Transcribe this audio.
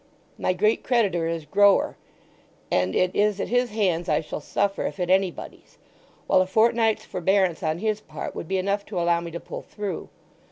My great creditor is Grower, and it is at his hands I shall suffer if at anybody's; while a fortnight's forbearance on his part would be enough to allow me to pull through.